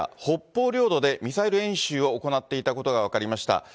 北方領土でミサイル演習を行っていたことが分かりました。